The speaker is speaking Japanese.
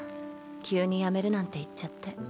急にやめるなんて言っちゃって。